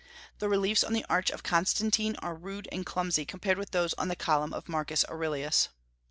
The reliefs on the Arch of Constantine are rude and clumsy compared with those on the column of Marcus Aurelius.